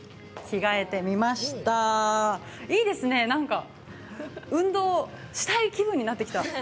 着替えてみましたいいですね、なんか運動したい気分なってきた。